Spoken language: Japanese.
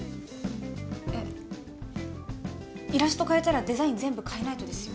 えっイラスト変えたらデザイン全部変えないとですよ